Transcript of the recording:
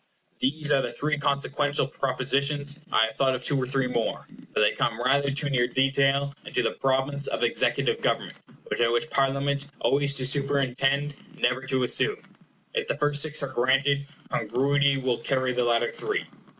These are the three consequential propositions I have thought of two or three more, but they come rather too near detail, and to the province of ecutive government, which I wish Parliament always to superintend, never to assume. If the first six are granted, congruity will carry the latter three.